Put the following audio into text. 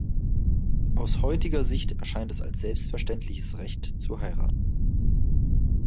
Aus heutiger Sicht erscheint es als selbstverständliches Recht, zu heiraten.